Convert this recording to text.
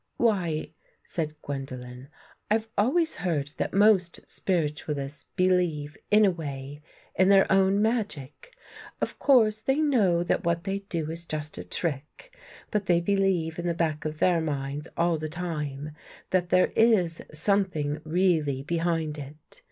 "" Why," said Gwendolen, " I've always heard that most Spiritualists believe, in a way, in their own magic. Of course they know that what they do is just a trick, but they believe, in the back of their minds, all the time, that there is something really be hind it.